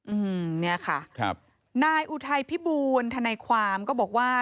อืมเนี่ยค่ะครับนายอุทัยพิบูลทนายความก็บอกว่า